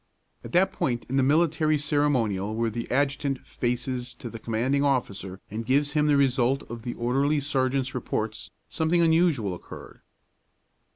At that point in the military ceremonial where the adjutant faces to the commanding officer and gives him the result of the orderly sergeant's reports, something unusual occurred.